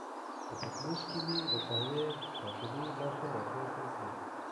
په پتنوس کې مې د قهوې پاسنۍ برخه را پورته کړل.